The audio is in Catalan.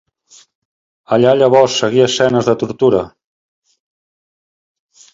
Allà llavors seguir escenes de tortura.